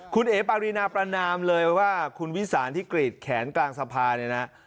คุณเอ๋ปารีนาประนามเลยว่าคุณวิสานที่กรีดแขนกลางสภาเนี่ยนะ